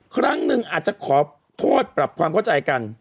ครั้งหนึ่งอาจจะขอโทษปรับความเข้าใจกัน